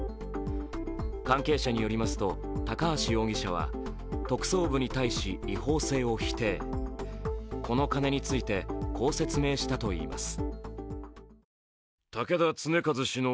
関係者によりますと高橋容疑者は特捜部に対し違法性を否定、この金についてこう説明したといいます。